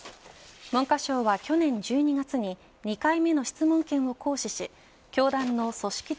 文科省は去年１２月に２回目の質問権を行使し教団の組織的